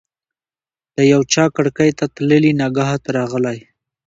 د یوچا کړکۍ ته تللي نګهت راغلی